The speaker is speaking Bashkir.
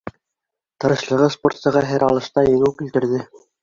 Тырышлығы спортсыға һәр алышта еңеү килтерҙе.